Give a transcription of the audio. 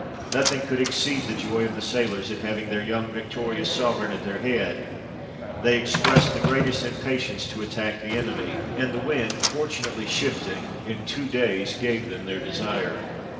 Nothing could exceed the joy of the sailors at having their young victorious Sovereign at their head ; they expressed the greatest impatience to attack the enemy ; and the wind fortunately shifting, in two days gave them their desire.